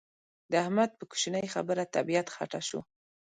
د احمد په کوشنۍ خبره طبيعت خټه شو.